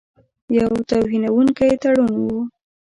یو توهینونکی تړون وو.